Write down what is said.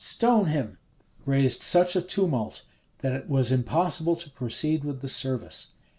stone him!" raised such a tumult that it was impossible to proceed with the service.